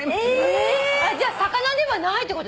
えー！じゃあ魚ではないってこと？